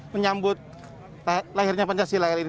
menyambut lahirnya pancasila hari ini